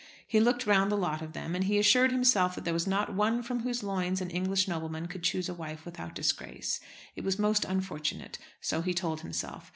He looked round the lot of them, and he assured himself that there was not one from whose loins an English nobleman could choose a wife without disgrace. It was most unfortunate, so he told himself.